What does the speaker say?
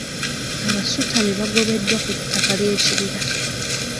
Abasutami baagobebwa ku ttaka ly'ekibira.